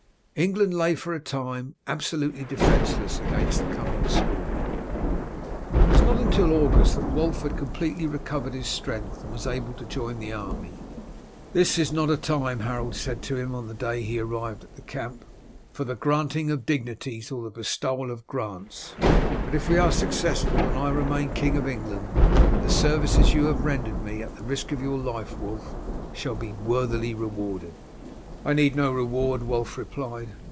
England lay for a time absolutely defenceless against the coming storm. It was not until August that Wulf had completely recovered his strength, and was able to join the army. "This is not a time," Harold said to him on the day he arrived at the camp, "for the granting of dignities or the bestowal of grants. But if we are successful, and I remain King of England, the services you have rendered me at the risk of your life, Wulf, shall be worthily rewarded." "I need no reward," Wulf replied.